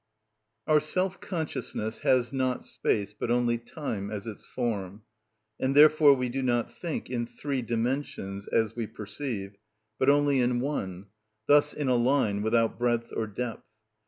Our self consciousness has not space but only time as its form, and therefore we do not think in three dimensions, as we perceive, but only in one, thus in a line, without breadth or depth.